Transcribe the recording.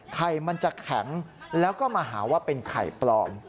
ไข่มันจะแข็งแล้วก็มาหาว่าเป็นไข่ปลอม